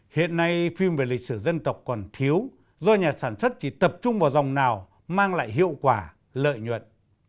hiện nay phim về lịch sử dân tộc còn thiếu do nhà sản xuất chỉ tập trung vào dòng nào mang lại hiệu quả lợi nhuận